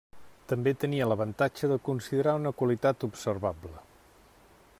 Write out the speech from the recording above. També tenia l'avantatge de considerar una qualitat observable.